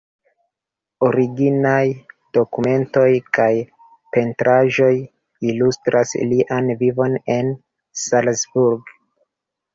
Originaj dokumentoj kaj pentraĵoj ilustras lian vivon en Salzburg.